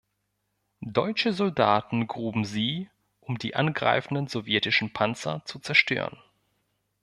Deutsche Soldaten gruben sie, um die angreifenden sowjetischen Panzer zu zerstören.